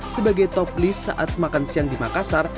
sebagai top list saat makan siang di makassar